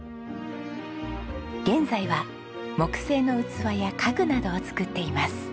現在は木製の器や家具などを作っています。